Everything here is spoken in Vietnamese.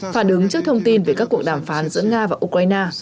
phản ứng trước thông tin về các cuộc đàm phán giữa nga và ukraine